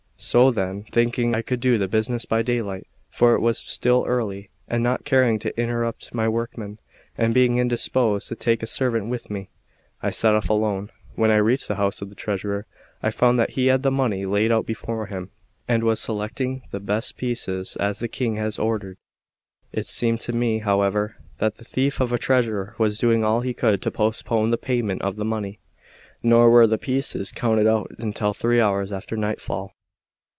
So then, thinking I could do the business by daylight, for it was still early, and not caring to interrupt my workmen, and being indisposed to take a servant with me, I set off alone. When I reached the house of the treasurer, I found that he had the money laid out before him, and was selecting the best pieces as the King had ordered. It seemed to me, however, that that thief of a treasurer was doing all he could to postpone the payment of the money; nor were the pieces counted out until three hours after nightfall.